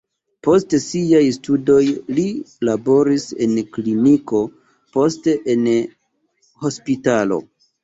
Post siaj studoj li laboris en kliniko, poste en hospitalo.